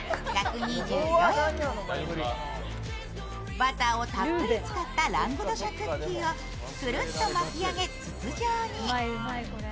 バターをたっぷり使ったラングドシャクッキーをくるっと巻き上げ筒状に。